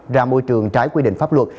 ra môi trường trái quy định pháp luật